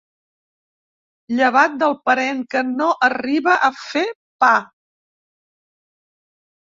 Llevat del parent que no arriba a fer pa.